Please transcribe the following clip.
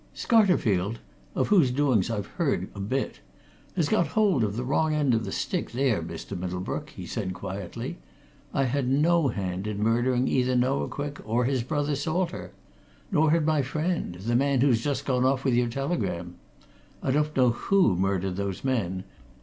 "Scarterfield of whose doings I've heard a bit has got hold of the wrong end of the stick there, Mr. Middlebrook," he said quietly. "I had no hand in murdering either Noah Quick or his brother Salter. Nor had my friend the man who's just gone off with your telegram. I don't know who murdered those men.